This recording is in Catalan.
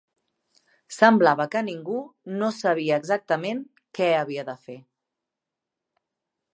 Semblava que ningú no sabia exactament què havia de fer